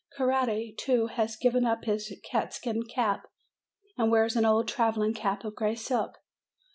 Coretti, too, has given up his catskin cap, and wears an old travelling cap of gray silk.